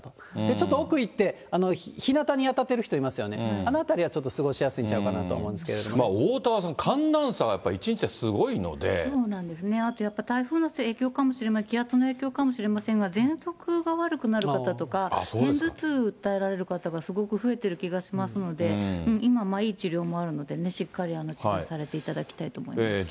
ちょっと奥いって、ひなたに当たってる人いますよね、あの辺りはちょっと過ごしやすいおおたわさん、寒暖差がやっそうなんですね、あとやっぱ、台風の影響かもしれないですけど、気圧の影響かもしれませんが、ぜんそくが悪くなる方とか、片頭痛訴えられる方とか、すごく増えてる気がしますので、今、いい治療もあるので、しっかり治療されていただきたいと思います。